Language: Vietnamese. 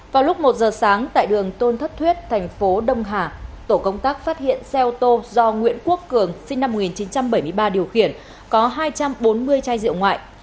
vào lúc một giờ sáng tại đường tôn thất thuyết thành phố đông hà tổ công tác phát hiện xe ô tô do nguyễn quốc cường sinh năm một nghìn chín trăm bảy mươi ba điều khiển có hai trăm bốn mươi chai rượu ngoại